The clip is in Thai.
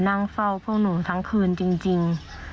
นั่งเฝ้าพวกหนูทั้งคืนจริง